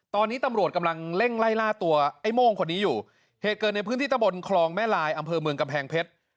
ตอนนี้ตำรวจกำลังเร่งไล่ล่าตัวไอ้โม่งคนนี้อยู่เหตุเกิดในพื้นที่ตะบนคลองแม่ลายอำเภอเมืองกำแพงเพชร